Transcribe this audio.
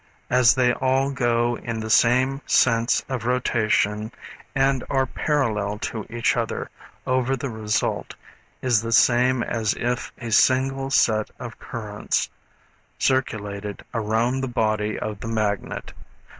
As they all go in the same sense of rotation and are parallel to each other the result is the same as if a single set of currents circulated around the body of the magnet.